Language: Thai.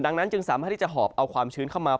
ดังนั้นจึงสามารถที่จะหอบเอาความชื้นเข้ามา